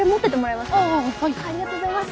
ありがとうございます。